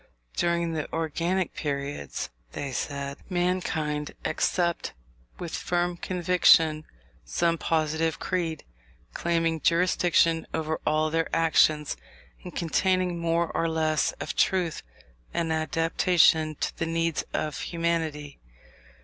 During the organic periods (they said) mankind accept with firm conviction some positive creed, claiming jurisdiction over all their actions, and containing more or less of truth and adaptation to the needs of humanity.